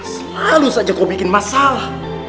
selalu saja kau bikin masalah